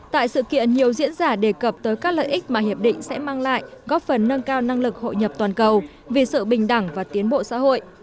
tại sự kiện nhiều diễn giả đề cập tới các lợi ích mà hiệp định sẽ mang lại góp phần nâng cao năng lực hội nhập toàn cầu vì sự bình đẳng và tiến bộ xã hội